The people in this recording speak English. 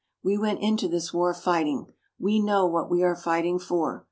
We went into this war fighting. We know what we are fighting for.